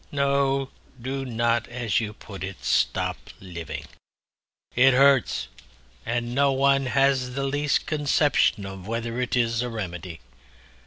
No, do not, as you put it, 'stop living.' It hurts, and no one has the least conception of whether it is a remedy.